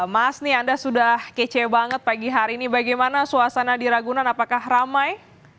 mas nih anda sudah kece banget pagi hari ini bagaimana suasana di ragunan apakah ramai